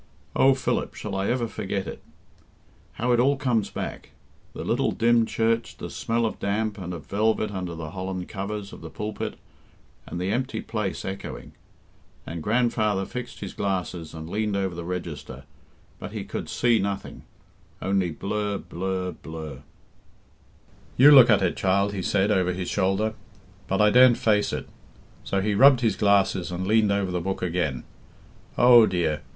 Oh, Philip, shall I ever forget it? How it all comes back the little dim church, the smell of damp and of velvet under the holland covers of the pulpit, and the empty place echoing. And grandfather fixed his glasses and leaned over the register, but he could see nothing only blurr, blurr, blurr. "'You look at it, child,' he said, over his shoulder. But I daren't face it; so he rubbed his glasses and leaned over the book again. Oh dear!